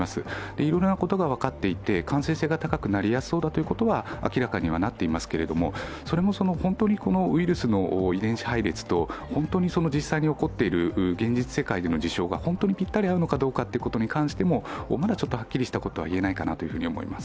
いろいろなことが分かっていて感染性が高くなりそうだということは明らかにはなっていますけれども、それが本当にウイルスの遺伝子配列と本当に実際に起こっている現実世界での事象が本当にぴったり合うのかに関してもまだはっきりしたことはいえないかなと思います。